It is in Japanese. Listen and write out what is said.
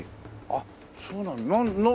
あっそうなの。